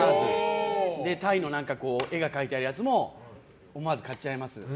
タイの絵が描いてあるやつも思わず買っちゃいます。